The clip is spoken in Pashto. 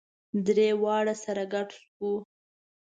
درې واړه سره ګډ شوو.